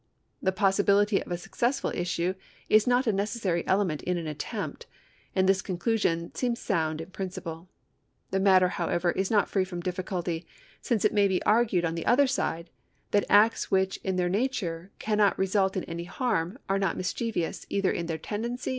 ^ The possibility of a successful issue is not a necessary element in an attempt, and this conclusion seems sound in principle. The matter, however, is not free from difficulty, since it may be argued on the other side that acts which in their natiue cannot result 1 Robcrls' Case, Dearsly C.